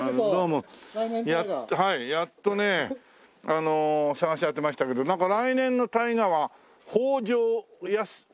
やっとね探し当てましたけどなんか来年の大河は北条泰。